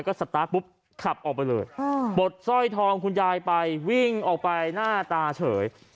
ก็สตาร์ทปุ๊บขับออกไปเลยปลดสร้อยทองคุณยายไปวิ่งออกไปหน้าตาเฉย